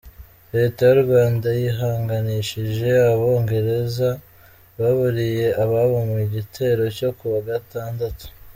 Leta y’ u Rwanda yihanganishije Abongereza baburiye ababo mu gitero cyo kuwa Gatandatu.